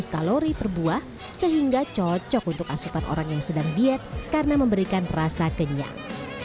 seratus kalori per buah sehingga cocok untuk asupan orang yang sedang diet karena memberikan rasa kenyang